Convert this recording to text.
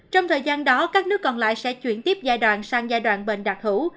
trong thời gian đó các nước còn lại sẽ chuyển tiếp giai đoạn sang giai đoạn bệnh đặc hữu